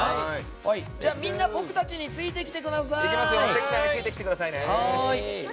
みんな僕たちについてきてください。